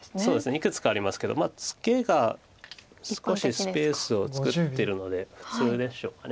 いくつかありますけどツケが少しスペースを作ってるので普通でしょうか。